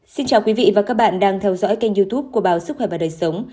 xin chào quý vị và các bạn đang theo dõi kênh youtube của báo sức khỏe và đời sống